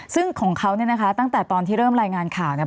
ซึ่งของเขาเนี่ยนะคะตั้งแต่ตอนที่เริ่มรายงานข่าวเนี่ย